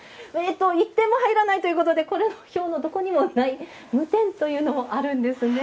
１点も入らないということでこの表の、どこにもない無点というのもあるんですね。